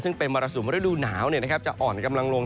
ซึ่งเป็นมรสุมฤดูหนาวจะอ่อนกำลังลง